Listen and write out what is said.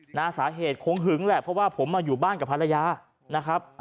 หน้าสาเหตุคงหึงแหละเพราะว่าผมมาอยู่บ้านกับภรรยานะครับ